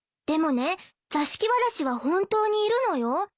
でもね座敷わらしは本当にいるのよ。